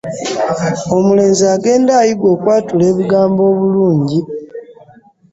Omulenzi agenda ayiga okwatula ebigambo obulungi.